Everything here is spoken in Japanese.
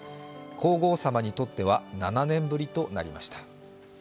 皇后さまにとっては７年ぶりとなりました。